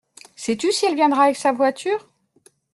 Sais-tu si elle viendra avec sa voiture ?…